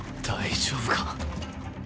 大丈夫か。